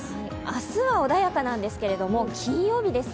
明日は穏やかなんですけれども金曜日ですね。